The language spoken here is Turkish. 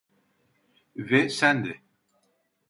Ve sen de…